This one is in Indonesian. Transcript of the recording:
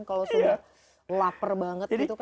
kalau sudah lapar banget